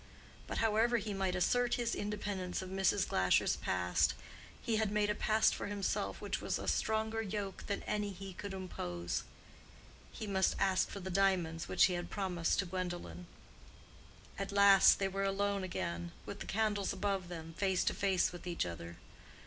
But however he might assert his independence of Mrs. Glasher's past, he had made a past for himself which was a stronger yoke than any he could impose. He must ask for the diamonds which he had promised to Gwendolen. At last they were alone again, with the candles above them, face to face with each other.